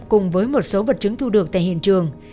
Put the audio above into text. cùng với một số vật chứng thu được tại hiện trường